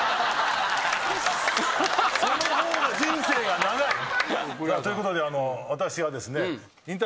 その方が人生が長い。ということで私はですね。